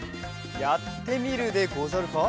やってみるでござるか？